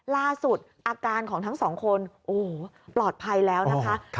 ล่าสุดอาการของทั้งสองคนโอ้โหปลอดภัยแล้วนะคะ